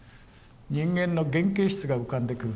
人間の原形質が浮かんでくる。